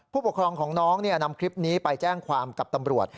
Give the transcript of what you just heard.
ผู้ปกครองของน้องนำคลิปนี้ไปแจ้งความกับตำรวจ